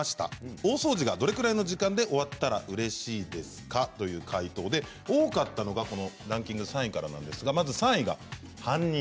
大掃除がどれくらいの時間で終わったらうれしいですか？という回答で多かったのがランキング３位からなんですが３位は半日。